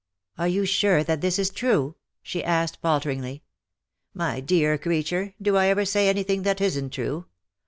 " Are you sure that this is true T' she asked, falteringly. '^ My dear creature, do I ever say anything that isn't true